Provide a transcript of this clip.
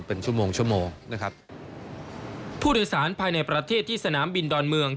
ผู้โดยสารภายในประเทศที่สนามบินดอนเมือง